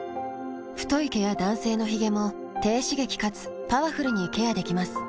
太い毛や男性のヒゲも低刺激かつパワフルにケアできます。